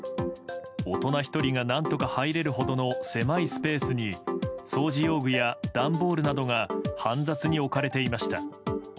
大人１人が何とか入れるほどの狭いスペースに掃除用具や段ボールなどが煩雑に置かれていました。